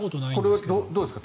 これは、どうですか？